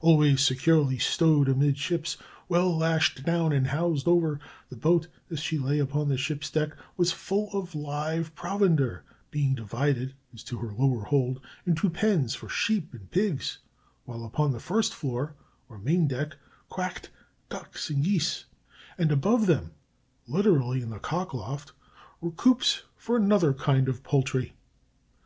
Always securely stowed amidships, well lashed down and housed over, the boat, as she lay upon the ship's deck, was full of live provender, being divided, as to her lower hold, into pens for sheep and pigs, while upon the first floor, or main deck, quacked ducks and geese, and above them (literally in the cock loft) were coops for another kind of poultry.